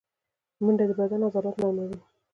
منډه د بدن عضلات نرموي